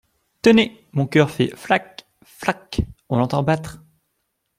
Tenez, mon cœur fait flac ! flac ! on l’entend battre !